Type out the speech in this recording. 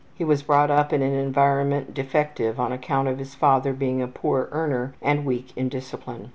He was brought up in an environment defective on account of his father being a poor earner and weak in discipline.